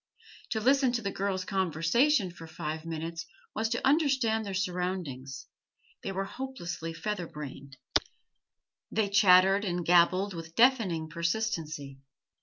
To listen to the girls' conversation for five minutes was to understand their surroundings; they were hopelessly feather brained, they chattered and gabbled with deafening persistency.